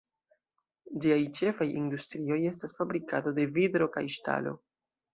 Ĝiaj ĉefaj industrioj estas fabrikado de vitro kaj ŝtalo.